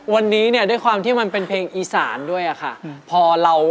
วันนี้เนี่ยด้วยความที่มันเป็นเพลงอีสานด้วยอะค่ะ